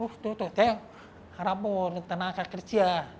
saya rapuh tenaga kerja